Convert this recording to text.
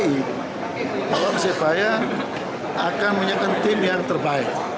tolong persebaya akan menyiapkan tim yang terbaik